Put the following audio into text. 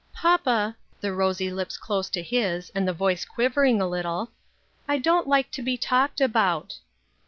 " Papa," the rosy lips close to his, and the voice quivering a little, " I don't like to be talked about."